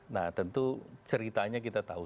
nah tentu ceritanya kita tahu